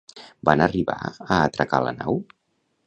Van arribar a atracar la nau?